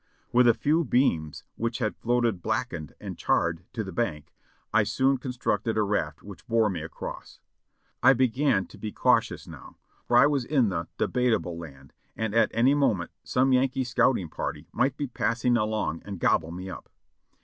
With a few beams which had floated blackened and charred to the bank, I soon constructed a raft which bore me across. I began to be cautious now, for I was in the "Debatable Land," and at any moment some Yankee scouting party might be pass ing along and gobble me up.